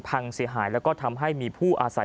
พังเสียหายแล้วก็ทำให้มีผู้อาศัย